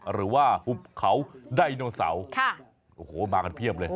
หรือว่าหุบเขาดายโนเสาร์ค่ะโอ้โหมากันเพียบเลย